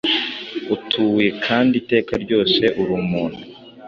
Utuye kandi iteka ryose. Uri Umuntu: